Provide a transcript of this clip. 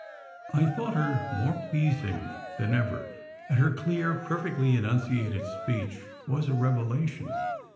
I thought her more pleasing than ever, and her clear, perfectly enunciated speech was a revelation.